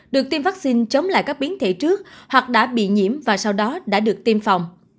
được tiêm vaccine chống lại các biến thể trước hoặc đã bị nhiễm và sau đó đã được tiêm phòng